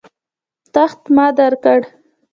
تخت ما درکړ.